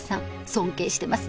尊敬してます